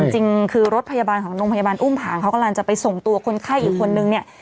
จริงคือรถพยาบาลของโรงพยาบาลอุ้มผางเขากำลังจะไปส่งตัวคนไข้อีกคนนึงเนี่ย